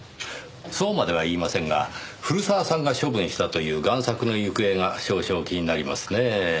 そうまでは言いませんが古澤さんが処分したという贋作の行方が少々気になりますねぇ。